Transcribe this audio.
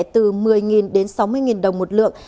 từ một mươi đến sáu mươi đồng một lượng